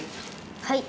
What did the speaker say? はい。